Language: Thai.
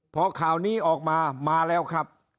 พอข่าวนี้ออกมามาแล้วครับ